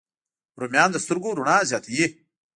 رومیان د سترګو رڼا زیاتوي